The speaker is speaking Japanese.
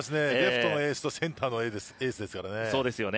レフトのエースとセンターのエースですから。